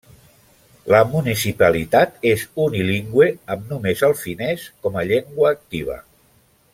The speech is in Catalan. La municipalitat és unilingüe amb només el finès com a llengua activa.